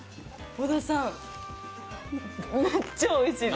小田さん、めっちゃおいしいです。